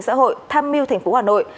xã hội tham mưu thành phố hà nội